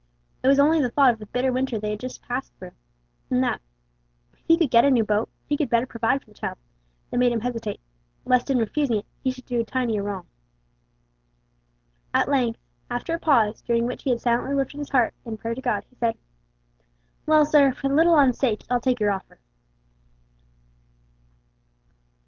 It was only the thought of the bitter winter they had just passed through, and that, if he could get a new boat, he could better provide for the child, that made him hesitate, lest in refusing it he should do Tiny a wrong. At length, after a pause, during which he had silently lifted his heart in prayer to God, he said: "Well, sir, for the little 'un's sake I'll take your offer.